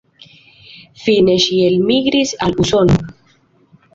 Fine ŝi elmigris al Usono.